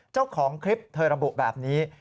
เจ้าของคลิปเธอระบุแบบนี้